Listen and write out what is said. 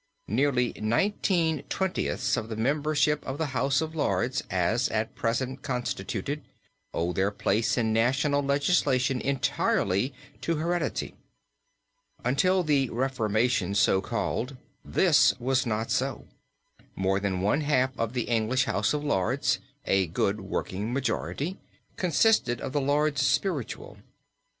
Nearly nineteen twentieths of the membership of the House of Lords, as at present constituted, owe their place in national legislation entirely to heredity. Until the reformation so called this was not so. More than one half of the English House of Lords, a good working majority, consisted of the Lords spiritual.